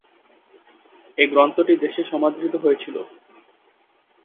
এ গ্রন্থটি দেশে সমাদৃত হয়েছিল।